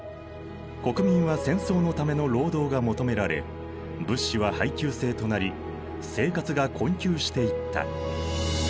国民は戦争のための労働が求められ物資は配給制となり生活が困窮していった。